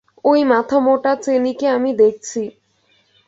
ওই মাথামোটা চেনিকে আমি দেখছি।